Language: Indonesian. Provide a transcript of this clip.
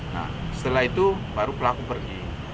nah setelah itu baru pelaku pergi